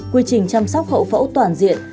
quy trình chăm sóc hậu phẫu toàn diện